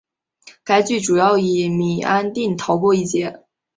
该剧主要以米安定逃过一劫。